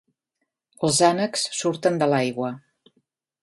Els ànecs surten de l'aigua.